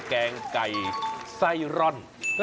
แกงไก่ไส้ร่อน